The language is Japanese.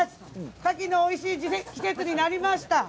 カキのおいしい時期、季節になりました。